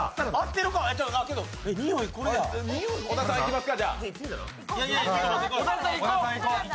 小田さんいきますか？